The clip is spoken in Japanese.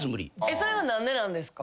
それは何でなんですか？